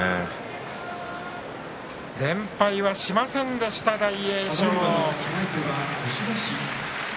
連敗はしませんでした大栄翔。